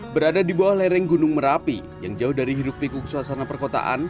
berada di bawah lereng gunung merapi yang jauh dari hiruk pikuk suasana perkotaan